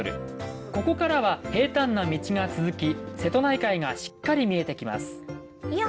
ここからは平たんな道が続き瀬戸内海がしっかり見えてきますいや